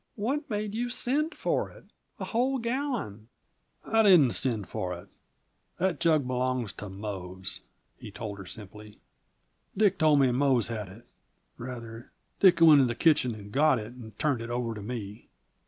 "What made you send for it? A whole gallon!" "I didn't send for it. That jug belongs to Mose," he told her simply. "Dick told me Mose had it; rather, Dick went into the kitchen and got it, and turned it over to me."